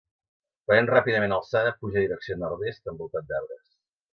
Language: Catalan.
Prenent ràpidament alçada puja direcció nord-est envoltat d’arbres.